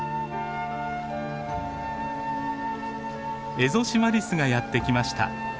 エゾシマリスがやって来ました。